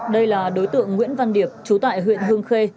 đây là đối tượng nguyễn văn điệp chú tại huyện hương khê